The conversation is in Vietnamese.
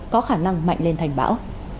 có khả năng mạnh lên thành bão